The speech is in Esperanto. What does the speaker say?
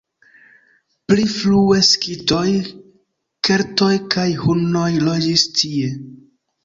Pli frue skitoj, keltoj kaj hunoj loĝis tie.